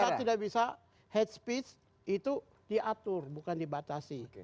anda tidak bisa head speech itu diatur bukan dibatasi